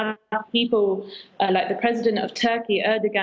terutama saat kita memiliki orang seperti presiden turki erdogan